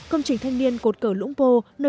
công trình thanh niên cột cờ lũng pô